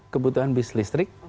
kebutuhan bis listrik